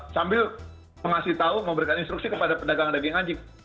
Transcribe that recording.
sambil mengasih tahu memberikan instruksi kepada pedagang daging anjing